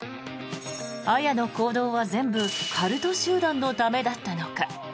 彩の行動は、全部カルト集団のためだったのか？